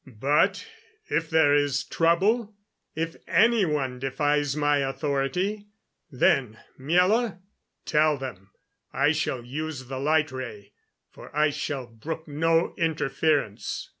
"But if there is trouble if any one defies my authority then, Miela, tell them I shall use the light ray, for I shall brook no interference."